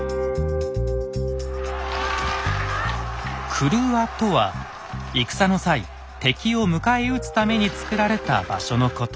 「郭」とは戦の際敵を迎え撃つためにつくられた場所のこと。